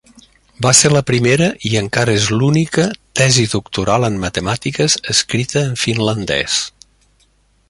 Va ser la primera, i encara és l'única, tesi doctoral en matemàtiques escrita en finlandès.